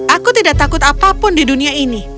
aku tidak takut apapun di dunia ini